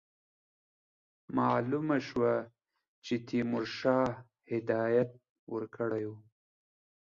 معلومه شوه چې تیمورشاه هدایت ورکړی وو.